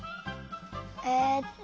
えっと。